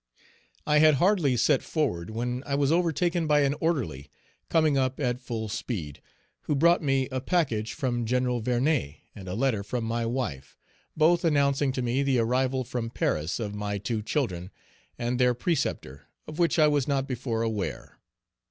I had hardly set forward when I was overtaken by an orderly, coming up at full speed, who brought me a package from Gen. Vernet and a letter from my wife, both announcing to me the arrival from Paris of my two children and their preceptor, of which I was not before aware.